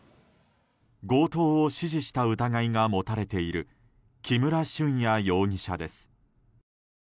強盗を指示した疑いが持たれている木村俊哉容疑者です。